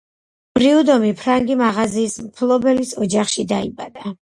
პრიუდომი ფრანგი მაღაზიის მფლობელის ოჯახში დაიბადა.